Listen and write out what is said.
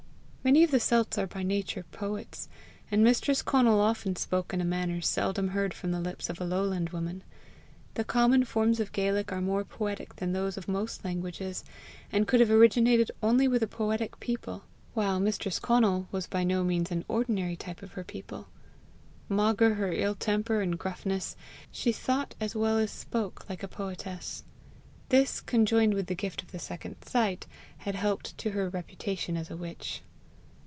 Many of the Celts are by nature poets, and mistress Conal often spoke in a manner seldom heard from the lips of a lowland woman. The common forms of Gaelic are more poetic than those of most languages, and could have originated only with a poetic people, while mistress Conal was by no means an ordinary type of her people; maugre her ill temper and gruffness, she thought as well as spoke like a poetess. This, conjoined with the gift of the second sight, had helped to her reputation as a witch.